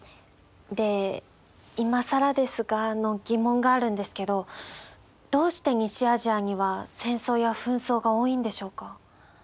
でいまさらですがの疑問があるんですけどどうして西アジアには戦争や紛争が多いんでしょうか？